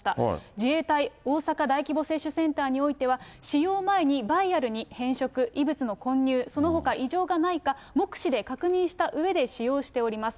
自衛隊大阪大規模接種センターにおいては、使用前にバイアルに変色、異物の混入、そのほか異常がないか、目視で確認したうえで使用しております。